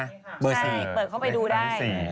ใช่เปิดเข้าไปดูได้